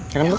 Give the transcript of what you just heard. ya kan tuh